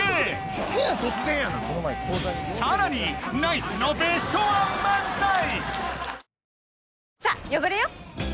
何や突然やなさらにナイツのベストワン漫才